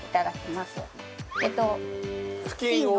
えっと。